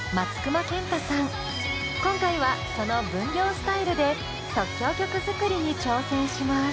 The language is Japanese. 今回はその分業スタイルで即興曲作りに挑戦します。